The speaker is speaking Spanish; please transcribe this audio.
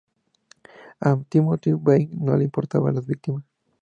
A Timothy McVeigh no le importaban las víctimas.